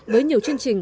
xin cảm ơn anh